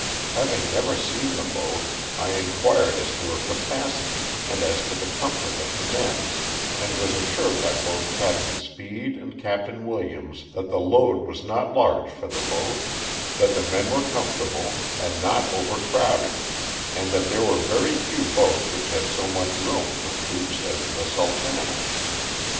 Hav ing never seen the boat, I inquired as to her capacity and as to the comfort of the men and was assured by both Capt. Speed and Capt. Williams that the load was not large for the boat, that the men were comfortable and not overcrowded and that there were very few boats which had so much room for troops as the * Sultana.'